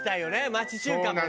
町中華もね。